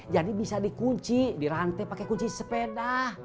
jadi bisa dikunci di rantai pakai kunci sepeda